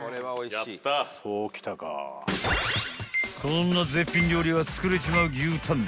［こんな絶品料理が作れちまう牛タン］